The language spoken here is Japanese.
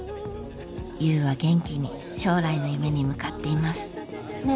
優は元気に将来の夢に向かっていますねえ